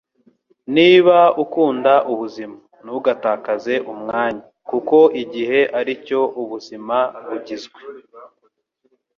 Niba ukunda ubuzima, ntugatakaze umwanya, kuko igihe aricyo ubuzima bugizwe.”